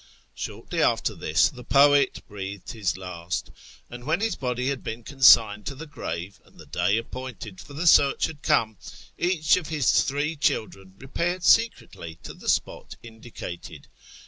Shortly after this the poet breathed his last, and when his body had been consigned to the grave, and the day appointed for the search had come, each of his three children repaired secretly to the spot indicated.